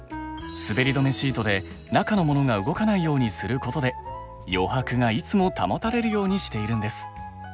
滑り止めシートで中のモノが動かないようにすることで余白がいつも保たれるようにしているんです。